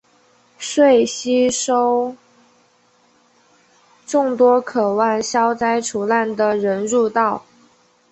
遂吸收众多渴望消灾除难的人入道。